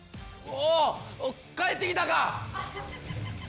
おっ帰ってきたか！